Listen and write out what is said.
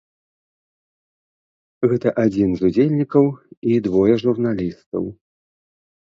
Гэта адзін з удзельнікаў і двое журналістаў.